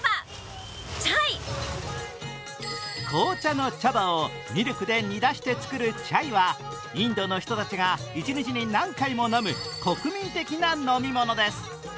紅茶の茶葉をミルクで煮出して作るチャイはインドの人たちが１日に何回も飲む国民的な飲み物です。